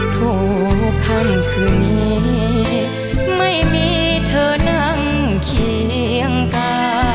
ทุกค่ำคืนนี้ไม่มีเธอนั่งเคียงกา